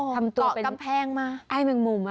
อ๋อเกาะกำแพงมาไอ้แมงมุมอะ